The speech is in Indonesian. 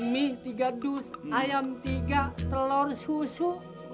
mie tiga dus ayam tiga telur susu